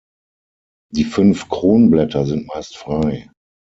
Die fünf Kronblätter sind meist frei.